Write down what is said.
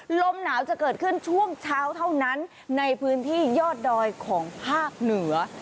ลมหนาวจะเกิดขึ้นช่วงเช้าเท่านั้นในพื้นที่ยอดดอยของภาคเหนือ